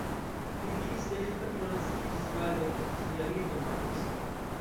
Li diris, ke lia fratino naskiĝis baldaŭ post lia birdo mortis.